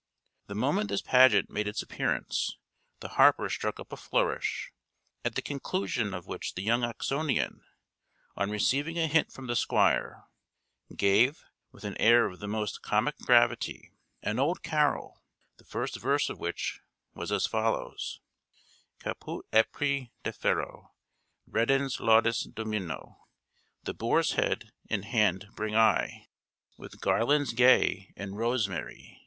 The moment this pageant made its appearance, the harper struck up a flourish; at the conclusion of which the young Oxonian, on receiving a hint from the Squire, gave, with an air of the most comic gravity, an old carol, the first verse of which was as follows: Caput apri defero Reddens laudes Domino. The boar's head in hand bring I, With garlands gay and rosemary.